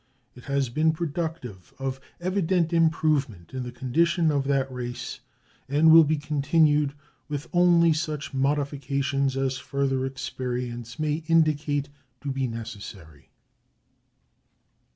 It has been productive of evident improvement in the condition of that race, and will be continued, with only such modifications as further experience may indicate to be necessary.